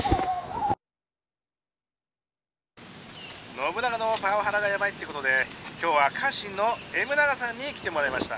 「信長のパワハラがやばいってことで今日は家臣のＭ永さんに来てもらいました」。